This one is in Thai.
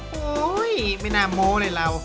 โอ้โหไม่น่าโม้เลยรัว